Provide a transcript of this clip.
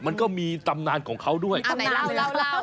มันก็มีตำนานของเขาด้วยเอาไหนเล่าเล่าเล่า